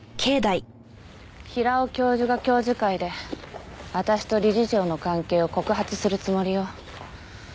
平尾教授が教授会で私と理事長の関係を告発するつもりよ。